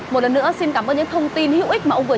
một lần nữa xin cảm ơn những thông tin hữu ích mẫu thuật